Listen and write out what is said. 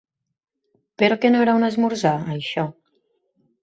Però que no era un esmorzar, això?